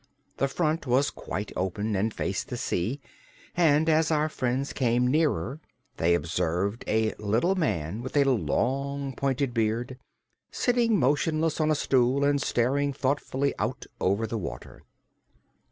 The front was quite open and faced the sea, and as our friends came nearer they observed a little man, with a long pointed beard, sitting motionless on a stool and staring thoughtfully out over the water.